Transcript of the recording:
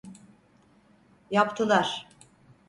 Yaptılar.